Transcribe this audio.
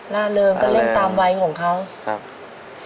ล่าเริงเลยก็เล่นตามไหวของเขานะครับฮะอีกอะไรก็ทำ